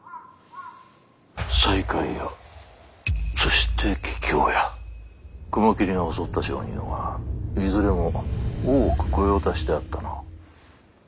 西海屋そして桔梗屋雲霧が襲った商人はいずれも大奥御用達であったな。